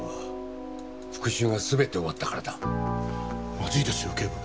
まずいですよ警部。